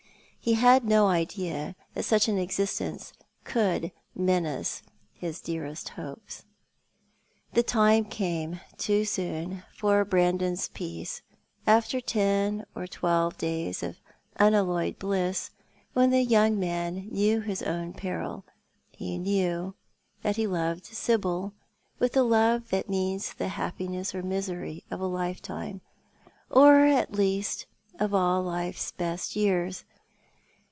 He had no idea that such an existence could menace his dearest hopes. The time came, too soon for Brandon's peace, after ten or twelve days of unalloyed bliss, when the young man knew his own peril. He knew that he loved Sibyl with the love that means the happiness or misery of a lifetime — or, at least, of all life's best years.